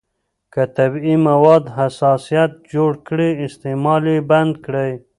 که طبیعي مواد حساسیت جوړ کړي، استعمال یې بند کړئ.